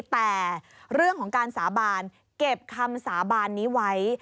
แต่เรื่องของการสาบานเก็บคำสาบานนี้ไว้